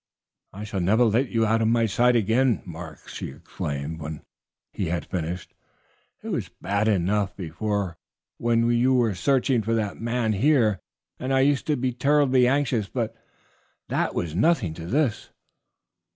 "I shall never let you go out of my sight again, Mark!" she exclaimed when he had finished. "It was bad enough before when you were searching for that man here, and I used to be terribly anxious; but that was nothing to this."